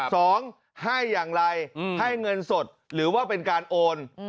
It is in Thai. สองให้อย่างไรให้เงินสดหรือว่าเป็นการโอน